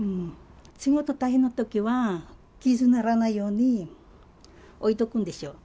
仕事大変なときは、傷にならないように置いとくんですよ。